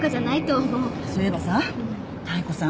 そういえばさ妙子さん